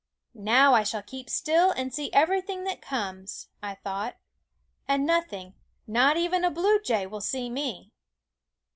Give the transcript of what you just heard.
" Now I shall keep still and see everything that comes," I thought, " and nothing, not even a blue jay, will see me."